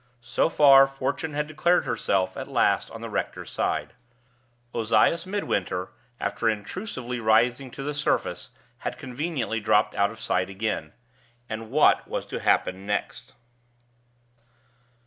So far Fortune had declared herself at last on the rector's side. Ozias Midwinter, after intrusively rising to the surface, had conveniently dropped out of sight again. What was to happen next?